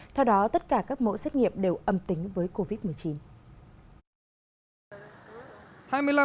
theo đó tất cả các mẫu xét nghiệm đều âm tính với covid một mươi chín